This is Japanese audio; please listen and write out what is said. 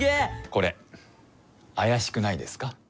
これあやしくないですか？